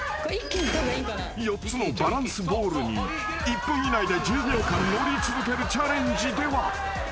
［４つのバランスボールに１分以内で１０秒間乗り続けるチャレンジでは］